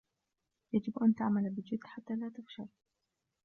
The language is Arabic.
يجب أن تعمل بجد حتى لا تفشل.